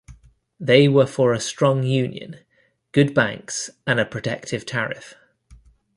They were for a strong Union, good banks and a protective tariff.